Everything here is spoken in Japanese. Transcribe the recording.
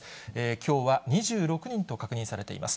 きょうは２６人と確認されています。